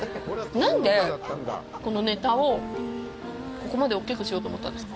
何でこのネタをここまで大きくしようと思ったんですか。